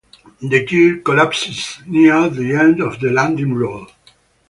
The gear collapsed near the end of the landing roll.